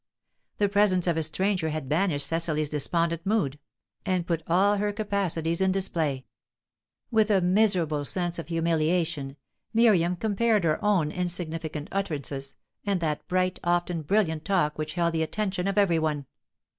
The presence of a stranger had banished Cecily's despondent mood, and put all her capacities in display. With a miserable sense of humiliation, Miriam compared her own insignificant utterances and that bright, often brilliant, talk which held the attention of every one.